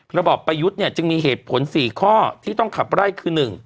ระบอบประยุทธ์เนี่ยจึงมีเหตุผล๔ข้อที่ต้องขับไล่คือ๑